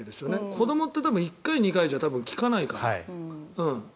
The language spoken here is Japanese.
子どもは１回２回じゃ聞かないですよ。